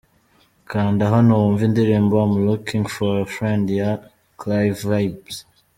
Kanda hano wumve indirimbo ‘Am looking for a friend’ ya Clyn Vybz .